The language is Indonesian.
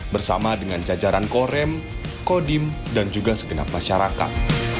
bersama dengan jajaran korem kodim dan juga segenap masyarakat